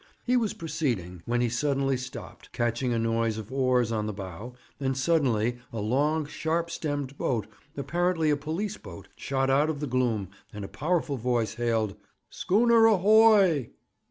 He was proceeding, when he suddenly stopped, catching a noise of oars on the bow, and suddenly a long, sharp stemmed boat, apparently a police boat, shot out of the gloom, and a powerful voice hailed: 'Schooner ahoy!'